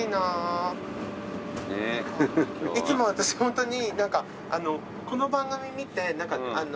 いつも私ホントに。